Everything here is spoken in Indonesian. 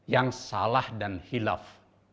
yang salah dan hilaf